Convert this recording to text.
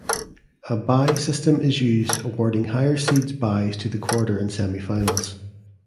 A bye system is used awarding higher seeds byes to the quarter and semifinals.